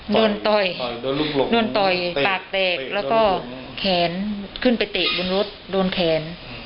โดนต่อยตากเตกแล้วก็แขนขึ้นไปเตะบุญรุษโดนแขน